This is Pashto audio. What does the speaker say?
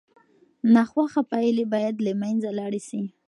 ناخوښه پایلې باید له منځه لاړې سي.